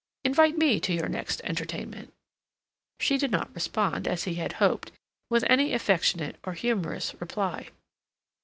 Invite me to your next entertainment." She did not respond, as he had hoped, with any affectionate or humorous reply.